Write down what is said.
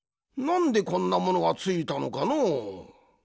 なんでこんなものがついたのかのう？